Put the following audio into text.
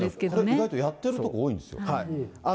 意外とやってる所多いんですよ。